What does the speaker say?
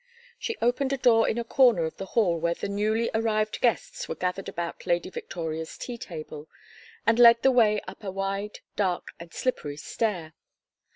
She opened a door in a corner of the hall where the newly arrived guests were gathered about Lady Victoria's tea table, and led the way up a wide dark and slippery stair.